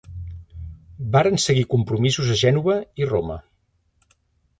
Varen seguir compromisos a Gènova i Roma.